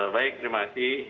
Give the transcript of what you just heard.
baik terima kasih